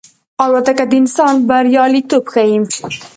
الوتکه د انسان بریالیتوب ښيي.